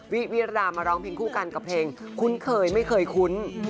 วิวิรามาร้องเพลงคู่กันกับเพลงคุ้นเคยไม่เคยคุ้น